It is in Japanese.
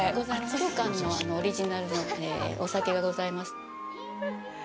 当館のオリジナルのお酒がございます。